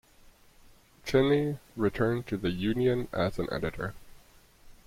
Cheney returned to the "Union" as an editor.